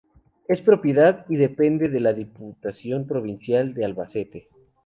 Es propiedad y depende de la Diputación Provincial de Albacete.